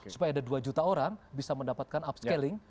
supaya ada dua juta orang bisa mendapatkan upscaling